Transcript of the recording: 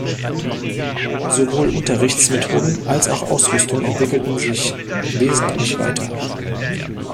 Sowohl Unterrichtsmethoden, als auch Ausrüstung entwickelten sich wesentlich weiter.